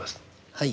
はい。